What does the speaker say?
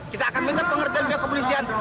kita akan minta pengertian pihak kepolisian